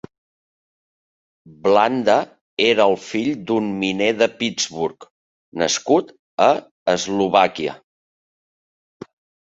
Blanda era el fill d'un miner de Pittsburgh nascut a Eslovàquia.